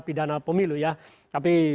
pidana pemilu ya tapi